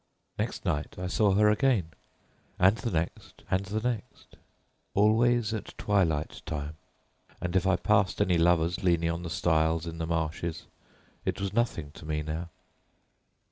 "Next night I saw her again; and the next night and the next. Always at twilight time; and if I passed any lovers leaning on the stiles in the marshes it was nothing to me now."